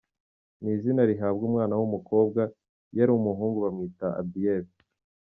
Ni izina rihabwa umwana w’umukobwa, iyo ari umuhungu bamwita Abiel.